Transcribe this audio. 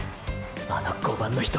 あの５番の人